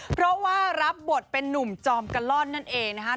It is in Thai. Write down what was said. เพราะว่ารับบทเป็นนุ่มจอมกะล่อนนั่นเองนะคะ